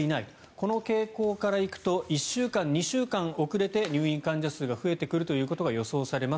この傾向から行くと１週間、２週間遅れて入院患者数が増えてくるということが予想されます